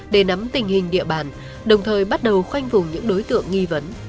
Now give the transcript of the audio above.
để nắm tình hình địa bàn đồng thời bắt đầu khoanh vùng những đối tượng nghi vấn